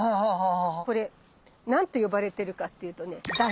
これ何て呼ばれてるかっていうとね「ダニ室」。